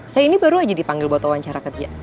saya ini baru aja dipanggil buat tawuan cara kerja